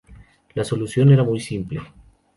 La solución era muy simple.